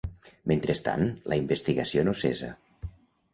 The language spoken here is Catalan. Mentrestant, la investigació no cessa.